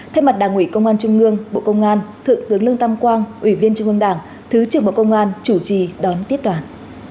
thay mặt đảng ủy công an trung ương bộ công an thượng tướng lương tam quang ủy viên trung ương đảng thứ trưởng bộ công an chủ trì đón tiếp đoàn